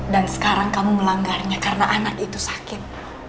dan sekarang kamu melanggarnya karena anak itu sakit